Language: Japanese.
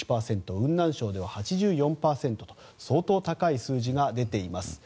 雲南省では８４％と相当高い数字が出ています。